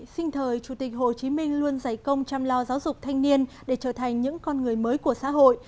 sinh thời chủ tịch hồ chí minh luôn giải công chăm lo giáo dục thanh niên để trở thành những con người mới của xã hội